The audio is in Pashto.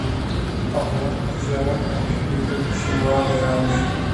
آزاد تجارت مهم دی ځکه چې یووالي راوړي.